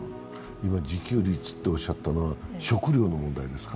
自給率っておっしゃったのは食料の問題ですか？